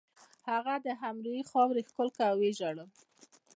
هغه د امروهې خاوره ښکل کړه او وژړل